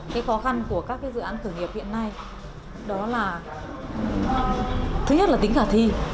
cái khó khăn của các dự án khởi nghiệp hiện nay đó là thứ nhất là tính khả thi